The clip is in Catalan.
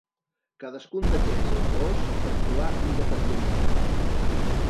Cadascun d'aquests autors actuà independentment.